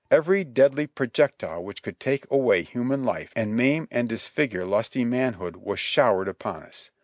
Every deadly projectile which could take away human life and maim and disfigure lusty manhood was showered upon us.